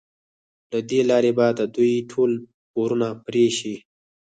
له دې لارې به د دوی ټول پورونه پرې شي.